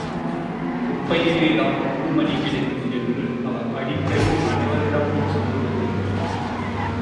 குப்பையிலேதான் குண்டுமணி கிடைக்கும் என்று அவர் அடிக்கடி அனைவரிடமும் சொல்வதுண்டு.